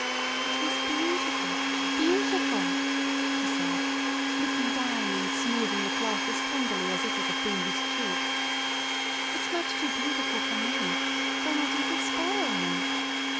"It is beautiful, beautiful," she said, looking down and smoothing the cloth tenderly as if it had been his cheek. "It's much too beautiful for me. Donald, you will spoil me."